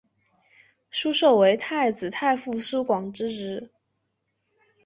疏受为太子太傅疏广之侄。